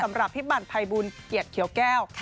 สำหรับพี่ปั่นภัยบูลเกียรติเขียวแก้ว